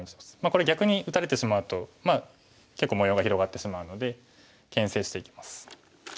これ逆に打たれてしまうと結構模様が広がってしまうのでけん制していきます。